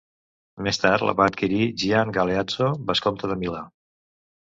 Més tard la va adquirir Gian Galeazzo, Vescomte de Milà.